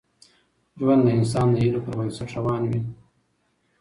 ژوند د انسان د هیلو پر بنسټ روان وي.